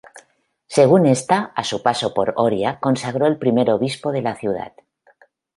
Según esta, a su paso por Oria, consagró el primer obispo de la ciudad.